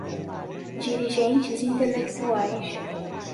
dirigentes intelectuais